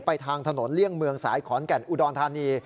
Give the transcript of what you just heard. ทางถนนเลี่ยงเมืองสายขอนแก่นอุดรธานี